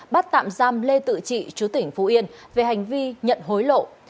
bắt tạm giam lê tự trị chú tỉnh phú yên về hành vi nhận hối lộ